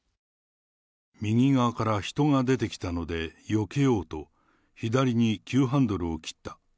右側から人が出てきたのでよけようと、左に急ハンドルを切った。